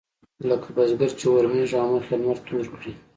لکه بزګر چې اورمېږ او مخ يې لمر تور کړي.